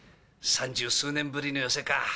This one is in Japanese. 三十数年ぶりの寄席か。